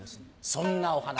そんなお話。